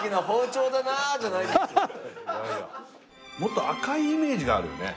もっと赤いイメージがあるよね。